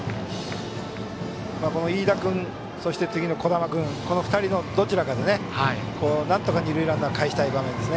飯田君、そして次の樹神君この２人のどちらかでなんとか二塁ランナーをかえしたい場面です。